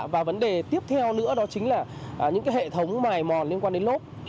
và vấn đề tiếp theo nữa đó chính là những cái hệ thống mài mòn liên quan đến nốt